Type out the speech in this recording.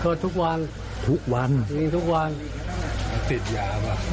ก็ทุกวันทุกวันยิงทุกวันติดยาป่ะ